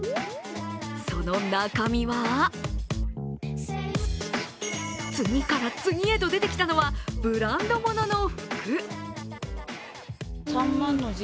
その中身は次から次へと出てきたのはブランドものの服。